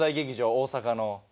大阪の。